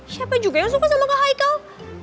siapa juga yang suka sama ke haikal